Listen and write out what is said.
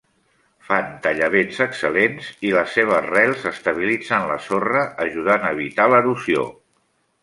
Fan tallavents excel·lents i les seves rels estabilitzen la sorra, ajudant a evitar l'erosió.